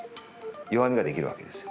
弱みができるわけですよ。